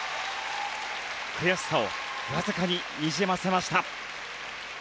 悔しさをわずかににじませました。